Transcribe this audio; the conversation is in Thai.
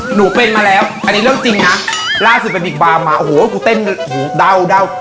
หนูเป็นมาแล้วอันนี้เรื่องจริงน่ะล่าสุดไปบิ๊กบาร์มาโอ้โหกูเต้นโอ้โหด้าวด้าว